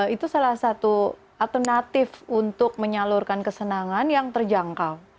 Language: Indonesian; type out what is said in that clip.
itu salah satu alternatif untuk menyalurkan kesenangan yang terjangkau